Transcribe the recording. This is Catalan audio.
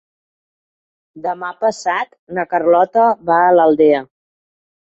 Demà passat na Carlota va a l'Aldea.